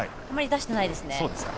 あまり出していないですね。